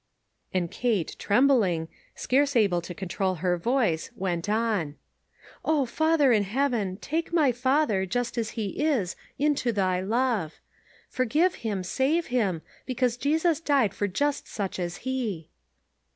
And Kate, trembling, scarce able to con trol her voice, went on :" Oh, Father in Heaven, tajce my father, just as he is, into thy love. Forgive him, save him, because Jesus died for just such as he."